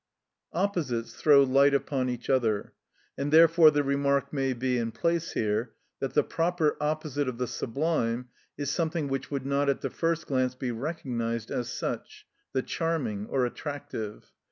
Opposites throw light upon each other, and therefore the remark may be in place here, that the proper opposite of the sublime is something which would not at the first glance be recognised, as such: the charming or attractive.